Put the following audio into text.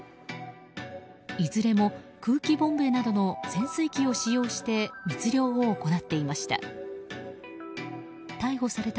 いずれも空気ボンベなどの潜水器を使用して密漁を行っていました。